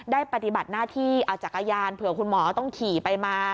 ปฏิบัติหน้าที่เอาจักรยานเผื่อคุณหมอต้องขี่ไปมา